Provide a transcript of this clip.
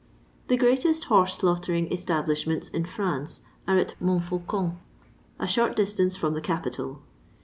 The greatest horse slaughtering establishments in France are at Montfaucon, a short distance from the capital.